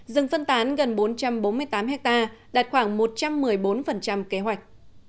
rừng phân tán gần bốn trăm bốn mươi tám hectare đạt khoảng một trăm một mươi bốn kế hoạch